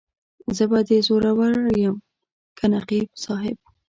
زه به زورور یم که نقیب صاحب.